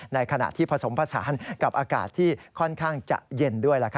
ในขณะที่ผสมผสานกับอากาศที่ค่อนข้างจะเย็นด้วย